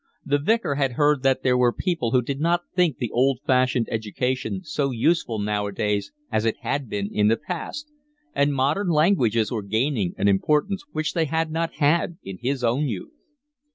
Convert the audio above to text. The Vicar had heard that there were people who did not think the old fashioned education so useful nowadays as it had been in the past, and modern languages were gaining an importance which they had not had in his own youth.